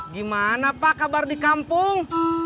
gimana pak kabar di kampung